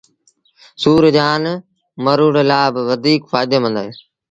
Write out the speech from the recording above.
سُور جآݩ مروڙ لآ وڌيٚڪ ڦآئيٚدي مند اهي